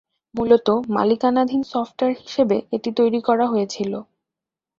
মূলত মালিকানাধীন সফটওয়্যার হিসাবে এটি তৈরি করা হয়েছিল।